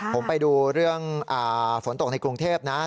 ผมไปดูเรื่องฝนตกในกรุงเทพนะ